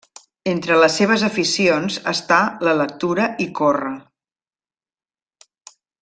Entre les seves aficions està la lectura i córrer.